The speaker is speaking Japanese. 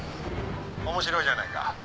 「面白いじゃないか」